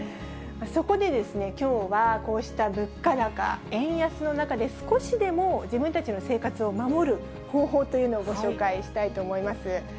そこで、きょうはこうした物価高、円安の中で、少しでも自分たちの生活を守る方法というのをご紹介したいと思います。